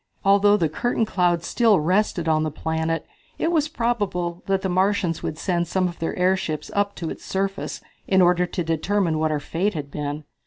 Although the cloud curtain still rested on the planet it was probable that the Martians would send some of their airships up to its surface in order to determine what our fate had been.